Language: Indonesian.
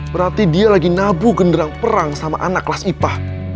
berarti dia lagi nabu genderang perang sama anak kelas ipah